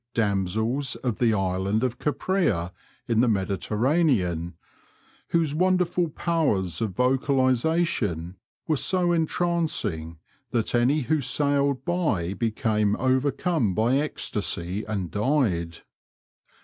damsels of the Island of Caprea in the Mediterranean, whcse wonderful powers of vocalisation were so entrancing that any who sailed by became overcome by ecstasy and died.